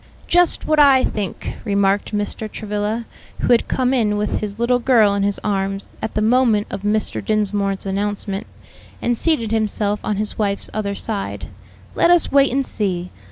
"Just what I think," remarked Mr. Travilla, who had come in with his little girl in his arms at the moment of Mr. Dinsmore's announcement, and seated himself on his wife's other side; "let us wait and see.